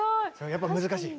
やっぱり難しい？